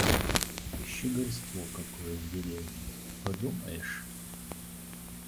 Щегольство какое в деревне, подумаешь!